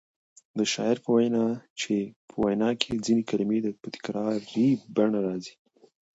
د شاعر په وینا کې ځینې کلمې په تکراري بڼه راځي.